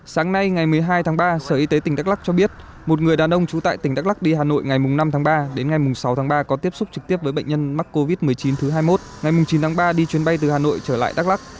sáng nay ngày một mươi hai tháng ba sở y tế tỉnh đắk lắc cho biết một người đàn ông trú tại tỉnh đắk lắc đi hà nội ngày năm tháng ba đến ngày sáu tháng ba có tiếp xúc trực tiếp với bệnh nhân mắc covid một mươi chín thứ hai mươi một ngày chín tháng ba đi chuyến bay từ hà nội trở lại đắk lắc